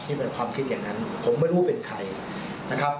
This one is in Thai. มันเป็นความคิดอย่างนั้นผมไม่รู้เป็นใครนะครับ